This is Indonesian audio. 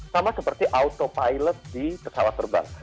sama seperti autopilot di pesawat terbang